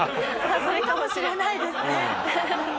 それかもしれないですね。